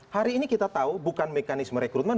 hari ini kita tahu bukan mekanisme rekrutmen